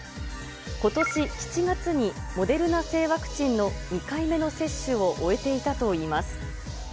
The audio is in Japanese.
ことし７月にモデルナ製ワクチンの２回目の接種を終えていたといいます。